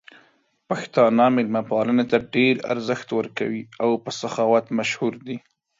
پښتانه مېلمه پالنې ته ډېر ارزښت ورکوي او په سخاوت مشهور دي.